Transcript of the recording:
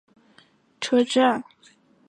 国见站的铁路车站。